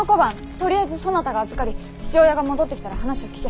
とりあえずそなたが預かり父親が戻ってきたら話を聞け。